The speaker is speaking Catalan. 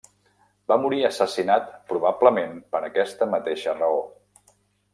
Va morir assassinat probablement per aquesta mateixa raó.